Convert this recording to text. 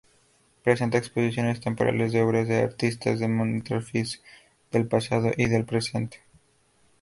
Presenta exposiciones temporales de obras de artistas de Montparnasse, del pasado y el presente.